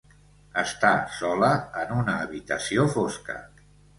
Està sola en una habitació fosca.